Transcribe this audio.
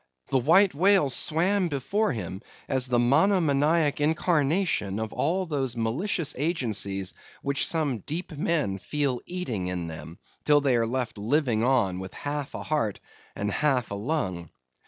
The White Whale swam before him as the monomaniac incarnation of all those malicious agencies which some deep men feel eating in them, till they are left living on with half a heart and half a lung.